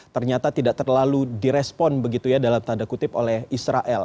ternyata tidak terlalu direspon begitu ya dalam tanda kutip oleh israel